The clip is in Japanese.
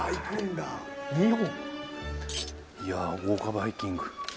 いやあ豪華バイキング。